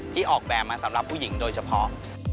ออกแบบมาสำหรับผู้หญิงโดยเฉพาะ